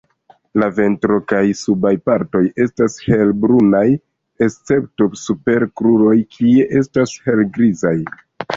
La ventro kaj subaj partoj estas helbrunaj, escepto super kruroj kie estas helgrizaj.